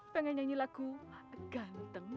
pengen nyanyi lagu ganteng